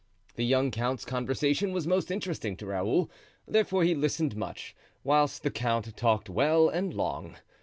The young count's conversation was most interesting to Raoul, therefore he listened much, whilst the count talked well and long.